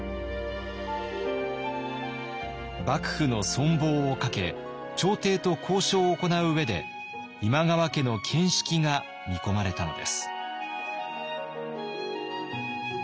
幕府の存亡をかけ朝廷と交渉を行う上で今川家の見識が見込まれたのです。